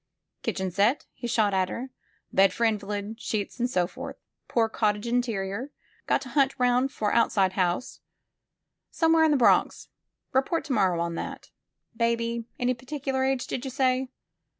''Kitchen set," he shot at her, "bed for invalid, sheets and so forth; poor cottage interior; got to hunt round for outside house, somewhere in the Bronx; report to morrow on that; baby — any particular age, did you say?